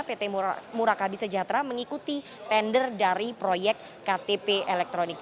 pt murakabi sejahtera mengikuti tender dari proyek ktp elektronik